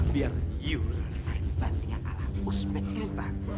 biar you rasain bantingan ala uzbekistan